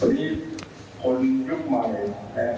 พอที่คนยุคใหม่แทน